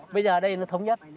bây giờ ở đây nó thống nhất